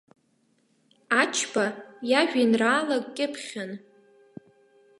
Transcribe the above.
Ачба иажәеинраала кьыԥхьын.